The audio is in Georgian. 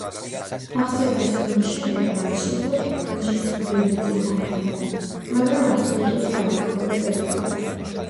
ტახტზე დაჯდომის შემდეგ მან შეძლო ქვეყანაში სტაბილიზაციის დამყარება, მაგრამ აბსოლუტურ ძალაუფლებას ვერ ფლობდა.